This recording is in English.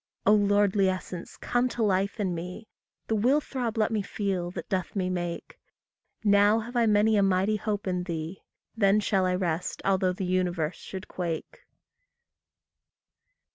O lordly essence, come to life in me; The will throb let me feel that doth me make; Now have I many a mighty hope in thee, Then shall I rest although the universe should quake.